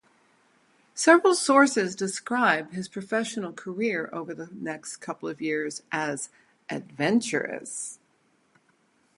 Several sources describe his professional career over the next couple of years as "adventurous".